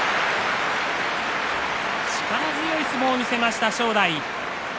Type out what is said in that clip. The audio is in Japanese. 力強い相撲を見せました正代。